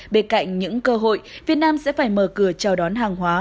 bên cạnh những cơ hội việt nam sẽ phải mở cửa chào đón hàng hóa